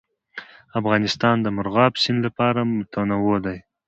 افغانستان د مورغاب سیند له پلوه متنوع دی.